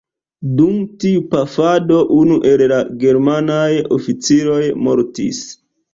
Dum tiu pafado unu el la germanaj oficiroj mortis.